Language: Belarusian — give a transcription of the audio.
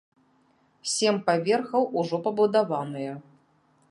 Сем паверхаў ужо пабудаваныя.